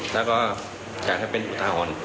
และก็แก้ให้เป็นอุทาหรณ์